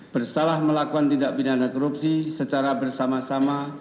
bersalah melakukan tindak pidana korupsi secara bersama sama